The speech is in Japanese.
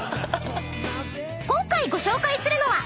［今回ご紹介するのは］